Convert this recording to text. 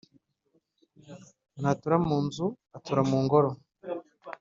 Ntatura mu nzu: Atura mu Ngoro